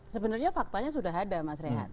sebenarnya faktanya sudah ada mas rehat